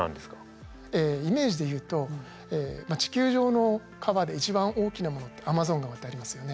えイメージで言うと地球上の川で一番大きなものってアマゾン川ってありますよね。